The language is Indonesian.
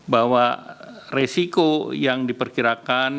bahwa resiko yang diperkirakan